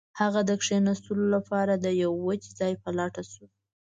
هغه د کښیناستلو لپاره د یو وچ ځای په لټه شو